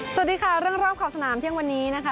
สวัสดีค่ะเรื่องรอบขอบสนามเที่ยงวันนี้นะคะ